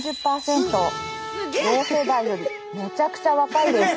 同世代よりめちゃくちゃ若いです。